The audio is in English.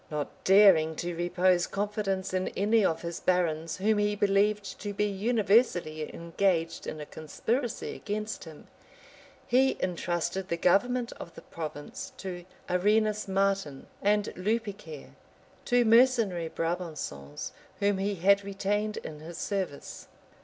Not daring to repose confidence in any of his barons whom he believed to be universally engaged in a conspiracy against him, he intrusted the government of the province to Arenas Martin and Lupicaire, two mercenary Brabançons, whom he had retained in his service.